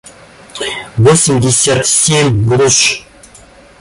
восемьдесят семь груш